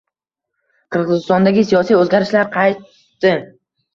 Qirgʻizistondagi siyosiy oʻzgarishlar qaytdi.